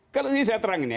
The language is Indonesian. kalau ini saya terangin ya